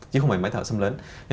chứ không phải máy thở xâm lấn